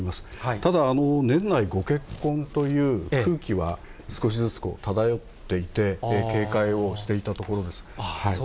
ただ、年内ご結婚という空気は少しずつこう、漂っていて、警戒をしていたところです。